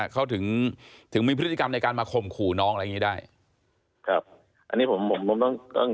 เขาเป็นคัมการของสมคมหรือบุญที่หนึ่ง